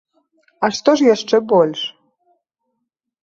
А што ж яшчэ больш?